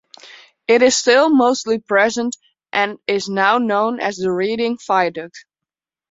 It is still mostly present, and is now known as the Reading Viaduct.